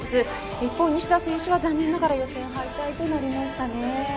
一方、西田選手は残念ながら予選敗退となりましたね。